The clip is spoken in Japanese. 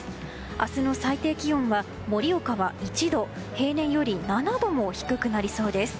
明日の最低気温は盛岡は１度平年より７度も低くなりそうです。